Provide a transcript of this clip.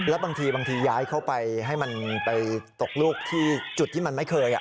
แล้วบางทีบางทีย้ายเข้าไปให้มันไปตกลูกที่จุดที่มันไม่เคย